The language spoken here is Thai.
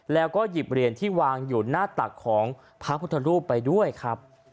แล้วก็หยิบเหรียญที่วางอยู่หน้าตักของพระพุทธรูปไปด้วยครับ